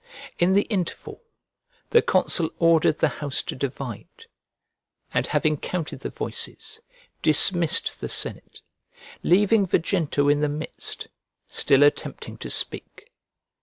In the interval, the consul ordered the house to divide, and having counted the voices, dismissed the senate, leaving Vejento in the midst, still attempting to speak.